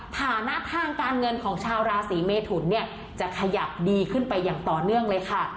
ฐานะทางการเงินของชาวราศีเมทุนเนี่ยจะขยับดีขึ้นไปอย่างต่อเนื่องเลยค่ะ